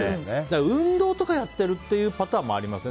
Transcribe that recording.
運動とかやってるパターンもありますよね。